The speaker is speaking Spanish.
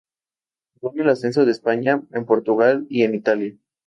Jugó en el ascenso de España, en Portugal y en Italia.